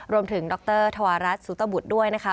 รวมถึงดรธวารัสสุตบุตรด้วยนะคะ